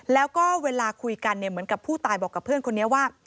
แล้วก็เวลาคุยกันเนี่ยเหมือนกับผู้ตายบอกกับเพื่อนคนนี้ว่า